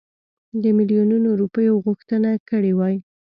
د میلیونونو روپیو غوښتنه کړې وای.